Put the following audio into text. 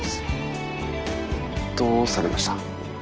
どうされました？